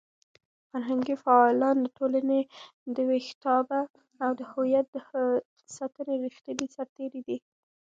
فرهنګي فعالان د ټولنې د ویښتابه او د هویت د ساتنې ریښتیني سرتېري دي.